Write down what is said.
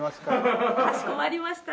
かしこまりました。